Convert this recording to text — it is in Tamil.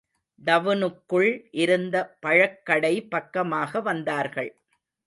டவுனுக்குள் இருந்த பழக்கடை பக்கமாக வந்தார்கள்.